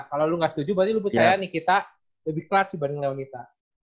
kalau lu enggak setuju berarti lu percaya nikita lebih clutch dibanding leonita